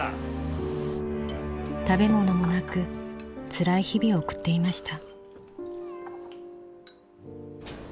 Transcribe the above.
食べ物もなくつらい日々を送っていました